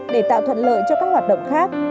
để tạo thuận lợi cho các hoạt động khác